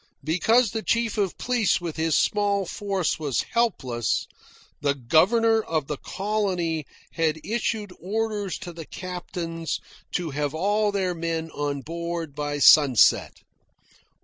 Because the chief of police with his small force was helpless, the governor of the colony had issued orders to the captains to have all their men on board by sunset.